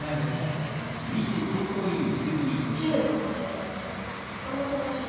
お昼のパン争奪戦また負けました。